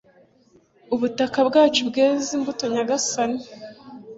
ubutaka bwacu bweze imbuto, nyagasani